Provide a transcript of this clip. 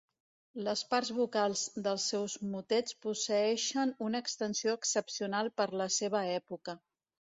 Les parts vocals dels seus motets posseeixen una extensió excepcional per la seva època.